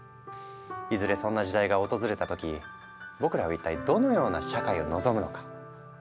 いずれそんな時代が訪れた時僕らはいったいどのような社会を望むのか。